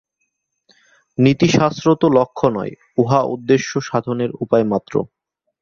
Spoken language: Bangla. নীতিশাস্ত্র তো লক্ষ্য নয়, উহা উদ্দেশ্য-সাধনের উপায় মাত্র।